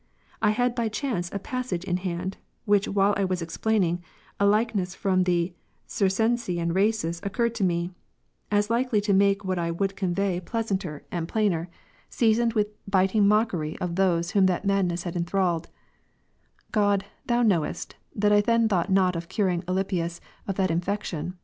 I had by chance a passage in hand, which while I was ex plaining, a likeness from the Circensian races occurred to me, as likely to make what I would convey pleasanter cured hij God, through a chance word of Augustine. 95 and plainer, seasoned with biting mockery of those whom that madness had enthralled; God, Thou knowest, that I then thought not of curing Alypius of that infection.